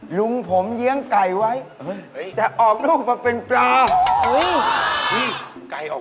หรือว่าของประเทศไทย